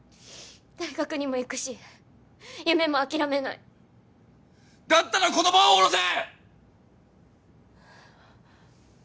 大学にも行くし夢も諦めないだったら子供はおろせ！